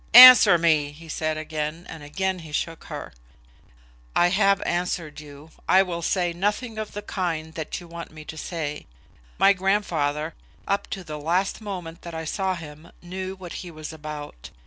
"Answer me," he said again; and again he shook her. "I have answered you. I will say nothing of the kind that you want me to say. My grandfather, up to the latest moment that I saw him, knew what he was about.